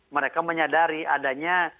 mereka menyadari adanya